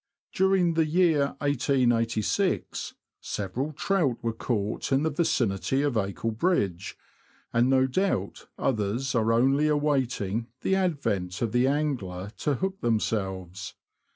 During the year 1886, several trout were caught in the vicinity of Acle Bridge, and no doubt others are only awaiting the advent of the angler to hook themselves.